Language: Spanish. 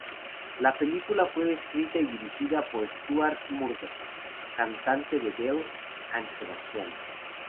La película fue escrita y dirigida por Stuart Murdoch, cantante de Belle and Sebastian.